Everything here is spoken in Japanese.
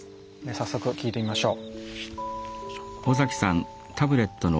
早速聞いてみましょう。